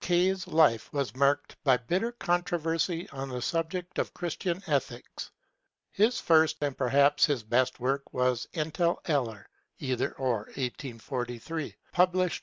's life was marked by bitter controversy on the subject of Christian ethics. His first and perhaps his best work was Eaten Eller (' Either Or '), 1843, publd.